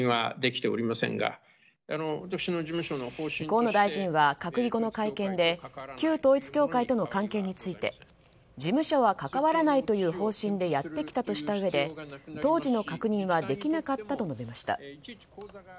河野大臣は閣議後の会見で旧統一教会との関係について事務所は関わらないという方針でやってきたとしたうえで当時の確認はできなかったと述べました。